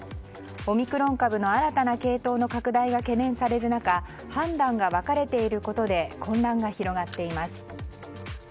オミクロン株の新たな系統の拡大が懸念される中判断が分かれていることで混乱が広がっています。